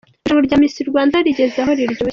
Irushanwa rya Miss Rwanda rigeze aharyoshye!